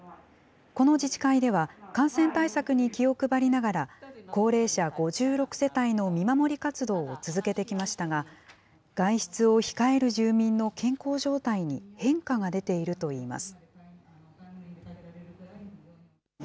この自治会では、感染対策に気を配りながら、高齢者５６世帯の見守り活動を続けてきましたが、外出を控える住民の健康状態に変化が出ているといいます。